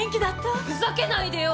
ふざけないでよ！